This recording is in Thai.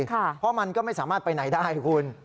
เพราะมันก็ไม่สามารถไปไหนได้คุณ